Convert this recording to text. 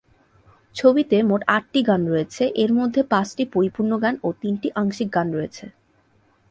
ছবিতে মোট আটটি গান রয়েছে এর মধ্যে পাঁচটি পরিপূর্ণ গান ও তিনটি আংশিক গান রয়েছে।